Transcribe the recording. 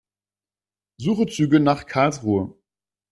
Suche Züge nach Karlsruhe.